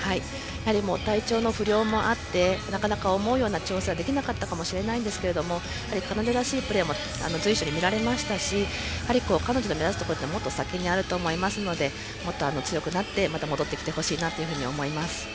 体調の不良もあってなかなか思うような調整ができなかったかもしれないんですが彼女らしいプレーが随所に見られましたし彼女の目指すところはもっと先にあると思うのでもっと強くなって戻ってきてほしいなと思います。